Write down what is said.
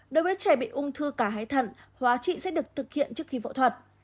đối với trẻ bị ung thư cả hái thận hóa trị sẽ được thực hiện trước khi phẫu thuật